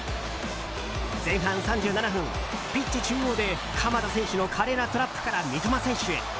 前半３７分、ピッチ中央で鎌田選手の華麗なトラップから三笘選手へ。